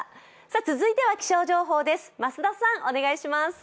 続いては気象情報です。